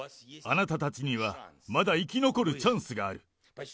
あなたたちにはまだ生き残るチャンスがある。